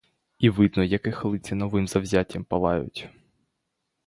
І видно, як їх лиця новим завзяттям палають.